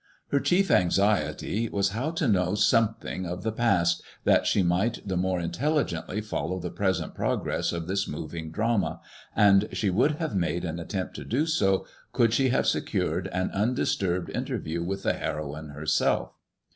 Her chief anxiety was now to know something of the past, that she might the more intelligently follow the present progress of this moving drama, and she would have made an attempt to do so, could she have secured an undisturhed interview with the heroine herself.